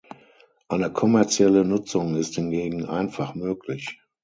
Eine kommerzielle Nutzung ist hingegen einfach möglich.